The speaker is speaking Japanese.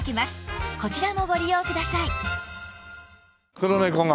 黒猫が。